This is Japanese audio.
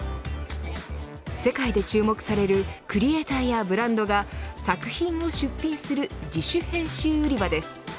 世界で注目されるクリエータやブランドが作品を出品する自主編集売場です。